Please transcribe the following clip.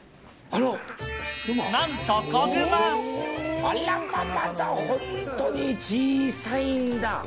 あらまあ、また、本当に小さいんだ。